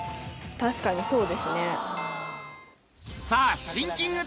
確かにそうですね。